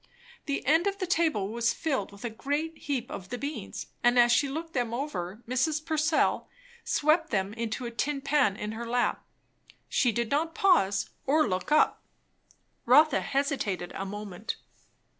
The end of the table was filled with a great heap of the beans, and as she looked them over Mrs. Purcell swept them into a tin pan in her lap. She did not pause or look up. Rotha hesitated a moment.